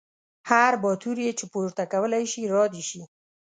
هر باتور یې چې پورته کولی شي را دې شي.